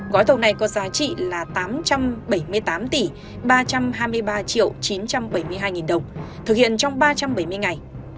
gói thầu này có giá trị là tám trăm bảy mươi tám tỷ ba trăm hai mươi ba triệu chín trăm bảy mươi hai nghìn đồng thực hiện trong ba trăm bảy mươi ngày